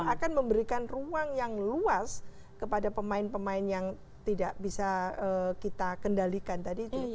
akan memberikan ruang yang luas kepada pemain pemain yang tidak bisa kita kendalikan tadi itu